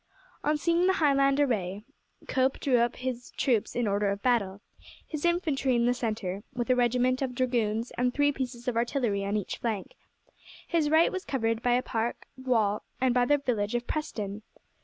On seeing the Highland array Cope drew up his troops in order of battle his infantry in the centre, with a regiment of dragoons and three pieces of artillery on each flank. His right was covered by a park wall and by the village of Preston.